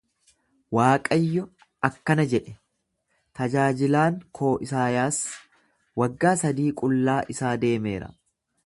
Waaqayyo akkana jedhe: Tajaajilaan koo Isaayaas waggaa sadii qullaa isaa deemeera.